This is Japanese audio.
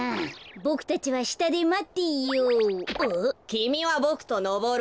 きみはボクとのぼるの。